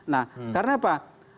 nah karena apa